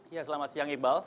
ya selamat siang iqbal